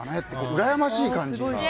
うらやましい感じが。